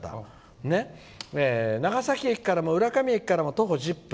「長崎駅からも浦上駅からも徒歩１０分。